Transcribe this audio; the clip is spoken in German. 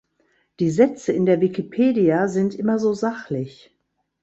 Die Sätze in der Wikipedia sind immer so sachlich.